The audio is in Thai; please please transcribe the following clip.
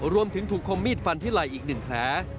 รวมถึงถูกคมมีดฟันที่ไหล่อีก๑แผล